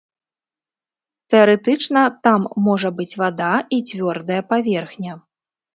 Тэарэтычна, там можа быць вада і цвёрдая паверхня.